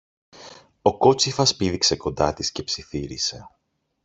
Ο κότσυφας πήδηξε κοντά της και ψιθύρισε